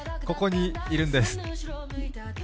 ここにいるんです。